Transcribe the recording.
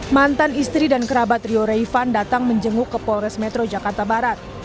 mantan istri dan kerabat rio reivan datang menjenguk ke polres metro jakarta barat